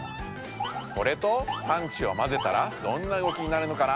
これとパンチをまぜたらどんな動きになるのかな？